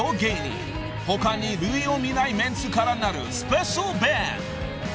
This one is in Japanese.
［他に類を見ないメンツからなるスペシャルバンド］